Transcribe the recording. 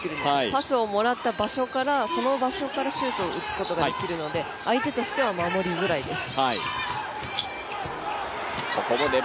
パスをもらった場所からその場所からシュートを打つことができるので相手としては守りづらいです。